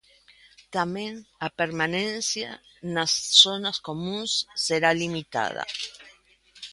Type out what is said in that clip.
Tamén a permanencia nas zonas comúns será limitada.